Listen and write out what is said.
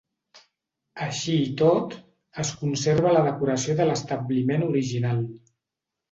Així i tot, es conserva la decoració de l'establiment original.